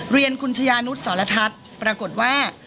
เรียนคุณชายานุษย์สรทัศน์ปรากฏว่า